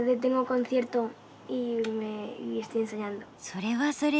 それはそれは。